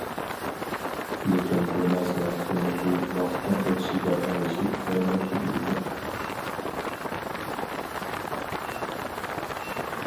لېكىن بۇ نەرسىنىڭ قىممىتى ۋاقىتنىڭ ئۆتۈشىگە ئەگىشىپ تۆۋەنلەپ كېتىدىكەن.